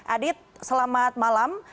adit selamat malam